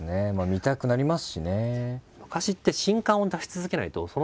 見たくなりますしね。